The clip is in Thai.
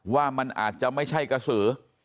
ว่ามันอาจจะไม่ใช่กระสือ